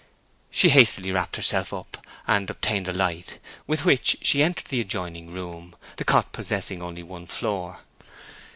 She hastily wrapped herself up, and obtained a light, with which she entered the adjoining room, the cot possessing only one floor.